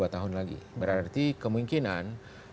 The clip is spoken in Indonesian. tahun lagi berarti kemungkinan